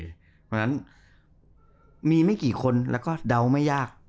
เพราะฉะนั้นมีไม่กี่คนแล้วก็เดาไม่ยาก